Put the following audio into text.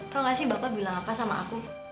kalau gak sih bapak bilang apa sama aku